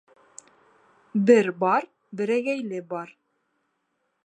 Бер бар, берәгәйле бар.